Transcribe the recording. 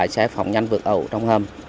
xe phòng nhanh vượt ẩu trong hầm